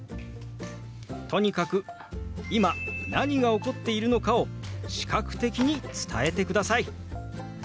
とにかく今何が起こっているのかを視覚的に伝えてください。